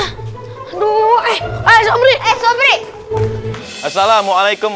hai dua eh eh sobring assalamualaikum warahmatullahi wabarakatuh waalaikumsalam